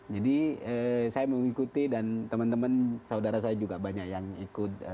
jadi saya mengikuti dan teman teman saudara saya juga banyak yang ikut